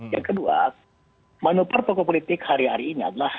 yang kedua manuver tokoh politik hari hari ini adalah